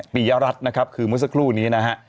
ปียรัฐนะครับคือเมื่อสักครู่นี้นะฮะ